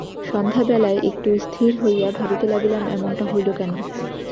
সন্ধ্যাবেলায় একটু স্থির হইয়া ভাবিতে লাগিলাম, এমনটা হইল কেন।